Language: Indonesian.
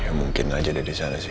ya mungkin aja ada disana sih